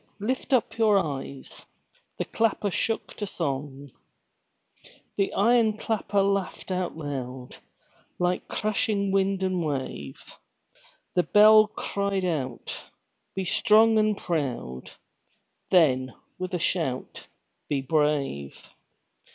Lift up your eyes!" The clapper shook to song. The iron clapper laughed aloud, Like clashing wind and wave; The bell cried out "Be strong and proud!" Then, with a shout, "Be brave!"